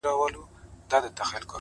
د ذهن سکون غوره تصمیمونه راوړي!